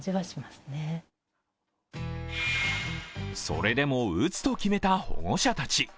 それでも打つと決めた保護者たち。